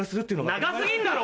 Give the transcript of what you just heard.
長過ぎんだろ！